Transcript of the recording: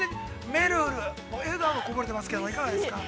めるる、笑顔がこぼれてますけどもいかがですか。